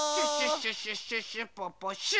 シュッシュッシュッポッポシュ！